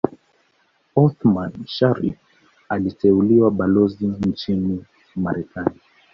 Othman Sharrif aliteuliwa Balozi nchini Marekani